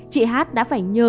chị h đã phải nhờ